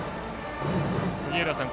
杉浦さん